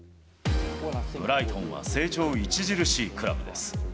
ブライトンは成長著しいクラブです。